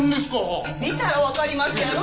見たら分かりますやろ。